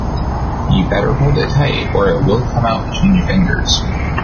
You better hold it tight or it will come out in between your fingers.